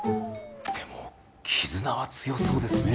でも絆は強そうですね。